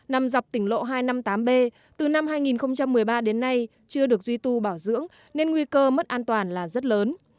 nằm dọc tỉnh lộ hai trăm năm mươi tám b từ năm hai nghìn một mươi ba đến nay chưa được duy tu bảo dưỡng nên nguy cơ mất an toàn là rất lớn